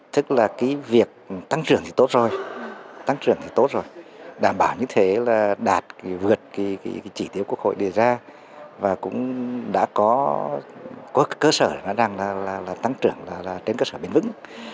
tức là việc tăng trưởng thì tốt rồi tăng trưởng thì tốt rồi đảm bảo như thế là đạt vượt chỉ tiêu quốc hội đề ra và cũng đã có cơ sở tăng trưởng trên cơ sở bền vững